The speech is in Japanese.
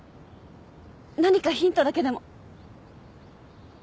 何かヒントだけでも。